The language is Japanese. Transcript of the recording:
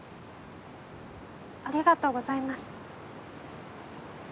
ありがとうございます。